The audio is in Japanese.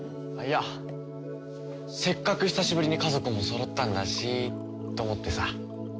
いやせっかく久しぶりに家族もそろったんだしと思ってさ。